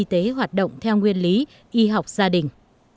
các trạm y tế hoạt động theo nguyên lý y học gia đình